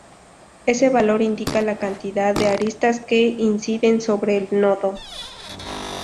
Ese valor indica la cantidad de aristas que inciden sobre el nodo.